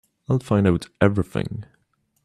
I'll find out everything.